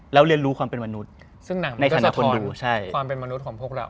แล้วเรียนรู้ความเป็นมนุษย์ซึ่งหนังมันก็สะทนดูความเป็นมนุษย์ของพวกเรา